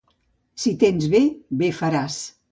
Si tens bé, bé faràs.